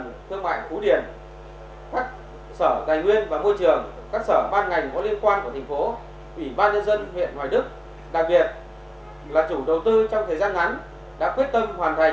đã quyết tâm hoàn thành dự án